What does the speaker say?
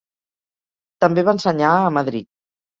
També va ensenyar a Madrid.